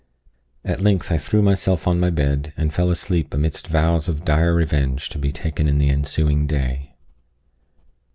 At length I threw myself on my bed, and fell asleep amidst vows of dire revenge to be taken in the ensuing day.